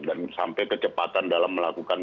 dan sampai kecepatan dalam melakukan